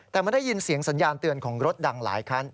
แต่มันได้ยินเสียงสัญญาณเตือนของรถดังหลายคัน